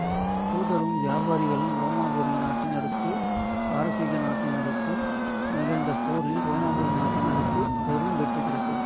தூதரும் வியாபாரிகளும் ரோமாபுரி நாட்டினருக்கும், பாரசீக நாட்டினருக்கும் நிகழ்ந்த போரில், ரோமாபுரி நாட்டினருக்குப் பெரும் வெற்றி கிடைத்தது.